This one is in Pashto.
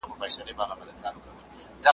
زموږ د بخت پر تندي ستوری دا منظور د کردګار دی `